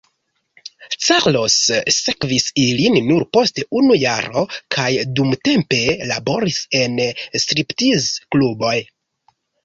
Carlos sekvis ilin nur post unu jaro kaj dumtempe laboris en striptiz-kluboj.